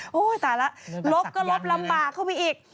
ตายแล้วลบก็ลบลำบากเข้าไปอีก